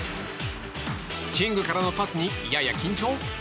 キングからのパスにやや緊張？